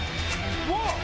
うわっ！